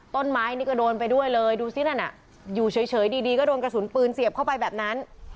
ต้นไม้นี่ก็โดนไปด้วยเลยดูสินั่นน่ะอยู่เฉยดีก็โดนกระสุนปืนเสียบเข้าไปแบบนั้น